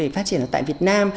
phát triển ở tại việt nam